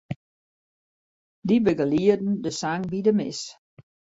Dy begelieden de sang by de mis.